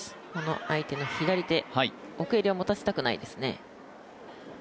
相手の左手奥襟を持たせたくないです。